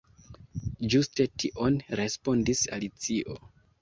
"Ĝuste tion," respondis Alicio.